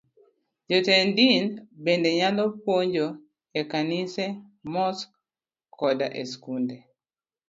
Jotend din bende nyalo puonjo e kanise, mosque koda e skunde